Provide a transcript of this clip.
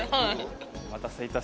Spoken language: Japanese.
お待たせいたしました。